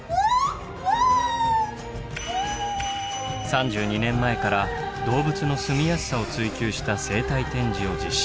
３２年前から動物のすみやすさを追求した生態展示を実施。